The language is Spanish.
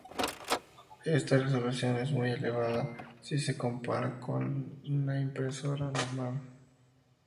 Esta resolución es muy elevada si se compara con la una impresora normal.